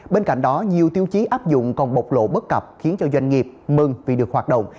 bên cạnh đó nhiều tiêu chí áp dụng còn bộc lộ bất cập khiến cho doanh nghiệp mừng vì được hoạt động